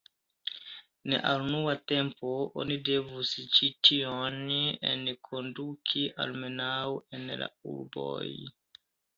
En la unua tempo oni devus ĉi tion enkonduki almenaŭ en la urboj.